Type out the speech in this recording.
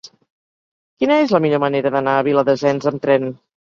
Quina és la millor manera d'anar a Viladasens amb tren?